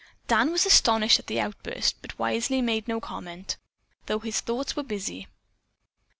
Dan was astonished at the outburst, but wisely made no comment, though his thoughts were busy.